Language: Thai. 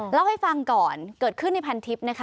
เล่าให้ฟังก่อนเกิดขึ้นในพันทิพย์นะคะ